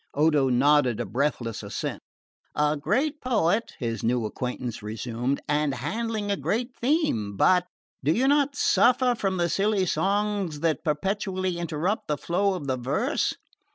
Odo nodded a breathless assent. "A great poet," his new acquaintance resumed, "and handling a great theme. But do you not suffer from the silly songs that perpetually interrupt the flow of the verse?